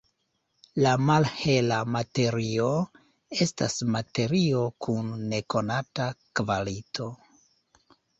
La malhela materio estas materio kun nekonata kvalito.